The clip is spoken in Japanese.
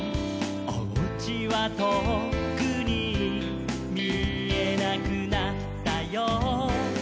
「おうちはとっくにみえなくなったよ」